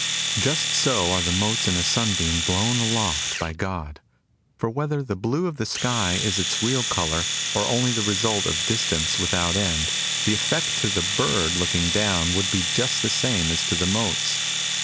Just so are the motes in a sunbeam blown aloft by God. For whether the blue of the sky is its real colour, or only the result of distance without end, the effect to the bird looking down would be just the same as to the motes.